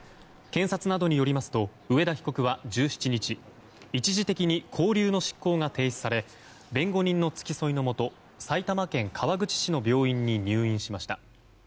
検察などによりますと上田被告は１７日、一時的に勾留の執行が停止され弁護人の付き添いのもと埼玉県川口市の病院に入院しました。